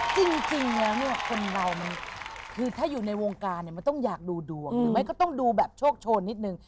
จริงแล้วเนี่ยคนเรามันคือถ้าอยู่ในวงการเนี่ยมันต้องอยากดูดวงหรือไม่ก็ต้องดูแบบโชคโชนนิดนึง